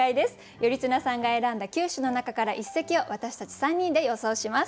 頼綱さんが選んだ９首の中から一席を私たち３人で予想します。